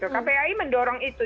kpai mendorong itu